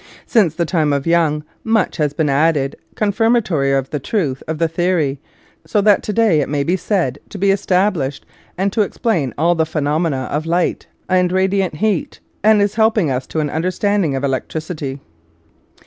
Since the time of Young much has been added confirmatory of the truth of the theory, so that to day it may be said to be established and to explain all the phenomena of light and radiant heat and is helping us to an understanding of elec tricity.